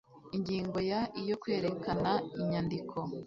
ingingo ya iyo kwerekana inyandiko